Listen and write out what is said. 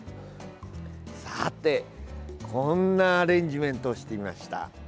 さて、こんなアレンジメントをしてみました。